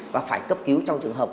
và phải cấp cứu trong trường hợp